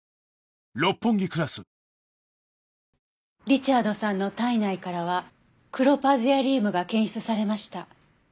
リチャードさんの体内からはクロパゼアリウムが検出されました。